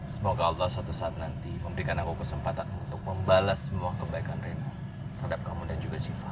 semoga allah suatu saat nanti memberikan aku kesempatan untuk membalas semua kebaikan rena terhadap kamu dan juga sifat